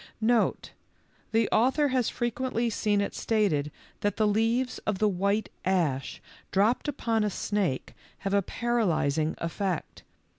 Note. The author has frequently seen it stated that the leaves of the white ash dropped upon a snake have a paralyzing effect.